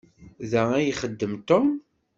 Da ay ixeddem Tom?